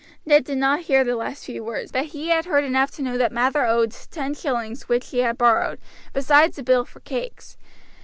Ned did not hear the last few words, but he had heard enough to know that Mather owed ten shillings which he had borrowed, besides a bill for cakes.